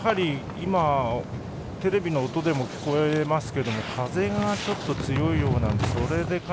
テレビの音でも聞こえますけども風がちょっと強いようなので。